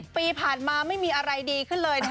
๑๐ปีผ่านมาไม่มีอะไรดีขึ้นเลยนะครับ